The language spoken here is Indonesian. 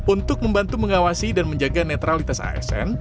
untuk membantu mengawasi dan menjaga netralitas asn